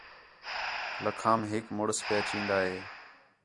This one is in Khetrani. لَکھام ہِک مُݨس پِیا چین٘دا ہِے